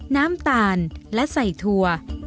น้ำตาลและใส่ถั่ว